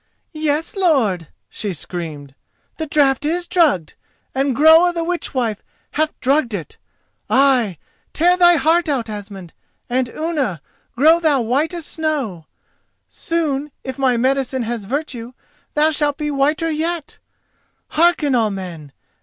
"Yes, lord," she screamed, "the draught is drugged, and Groa the Witch wife hath drugged it! Ay, tear thy heart out, Asmund, and Unna, grow thou white as snow—soon, if my medicine has virtue, thou shalt be whiter yet! Hearken all men.